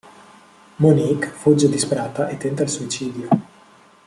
Monique fugge disperata e tenta il suicidio.